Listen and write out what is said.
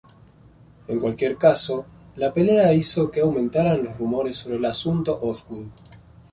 En cualquier caso, la pelea hizo que aumentaran los rumores sobre el asunto Osgood.